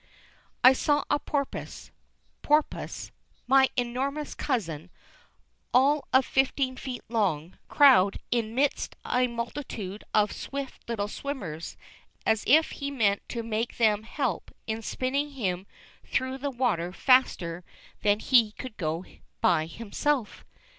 [Illustration: "OFF TORE THE FISHES, MAD WITH TERROR"] I saw a porpoise porpus my enormous cousin, all of fifteen feet long, crowd in midst a multitude of swift little swimmers, as if he meant to make them help in spinning him through the water faster than he could go by himself.